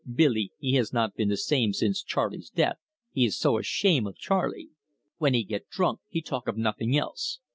Billy, he has not been the same since Charley's death he is so ashame of Charley. When he get drunk he talk of nothing else.